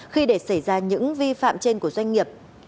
khi để xảy ra những vi phạm trên của doanh nghiệp